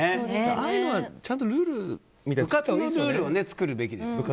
ああいうのはちゃんとルールを作るべきですよね。